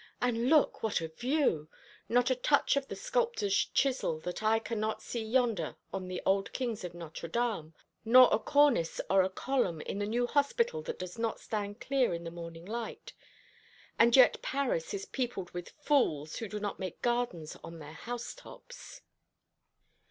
And look what a view! Not a touch of the sculptor's chisel that I cannot see yonder on the old kings of Notre Dame; not a cornice or a column in the new hospital that does not stand clear in the morning light! And yet Paris is peopled with fools who do not make gardens on their housetops!"